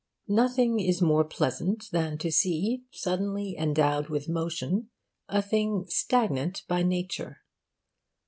Nothing is more pleasant than to see suddenly endowed with motion a thing stagnant by nature.